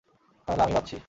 তাহলে আমিই বাঁধছি।